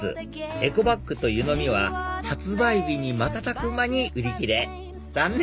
エコバッグと湯飲みは発売日に瞬く間に売り切れ残念！